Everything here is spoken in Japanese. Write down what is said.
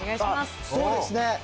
そうですね。